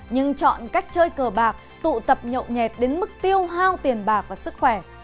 nhưng chọn cách chơi cờ bạc tụ tập nhậu nhẹt đến mức tiêu hao tiền bạc và sức khỏe